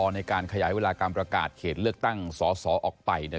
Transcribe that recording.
ในการขยายเวลาการประกาศเขตเลือกตั้งสอสอออกไปเนี่ย